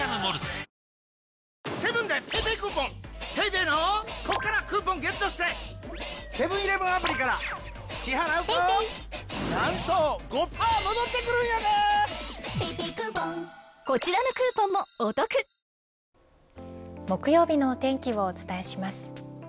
おおーーッ木曜日のお天気をお伝えします。